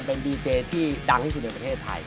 เป็นดีเจที่ดังที่สุดในประเทศไทย